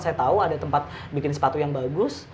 saya tahu ada tempat bikin sepatu yang bagus